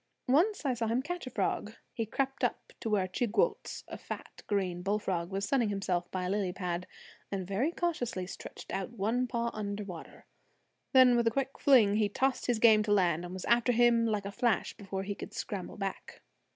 Once I saw him catch a frog. He crept down to where Chigwooltz, a fat green bullfrog, was sunning himself by a lily pad, and very cautiously stretched out one paw under water. Then with a quick fling he tossed his game to land, and was after him like a flash before he could scramble back.